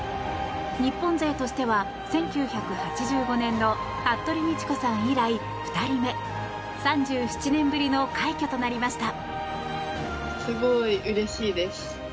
日本勢としては１９８５年の服部道子さん以来２人目３７年ぶりの快挙となりました。